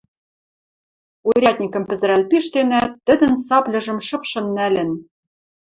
Урядникӹм пӹзӹрӓл пиштенӓт, тӹдӹн сабльыжым шыпшын нӓлӹн